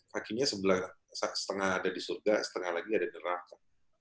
kakinya setengah ada di surga setengah lagi ada neraka